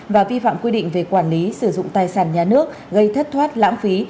và vi phạm quy định về quản lý sử dụng tài sản nhà nước gây thất thoát lãng phí